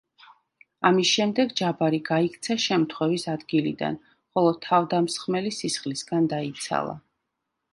ამის შემდეგ ჯაბარი გაიქცა შემთხვევის ადგილიდან, ხოლო თავდამსხმელი სისხლისგან დაიცალა.